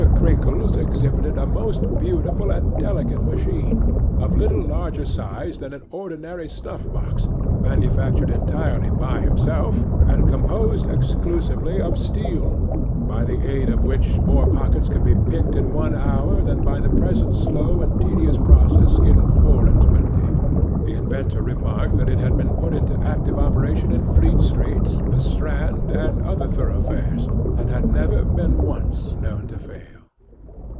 CRINKLES exhibited a most beautiful and delicate machine, of little larger size than an ordinary snuff box, manufactured entirely by himself, and composed exclusively of steel, by the aid of which more pockets could be picked in one hour than by the present slow and tedious process in four and twenty. The inventor remarked that it had been put into active operation in Fleet Street, the Strand, and other thoroughfares, and had never been once known to fail.